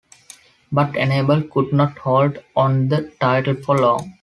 But Ebles could not hold on to the title for long.